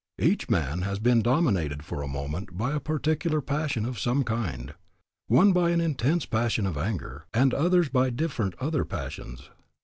Each man has been dominated for a moment by a particular passion of some kind; one by an intense passion of anger, and others by different other passions.